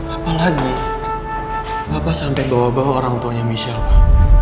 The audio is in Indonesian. apalagi bapak sampai bawa bawa orang tuanya michelle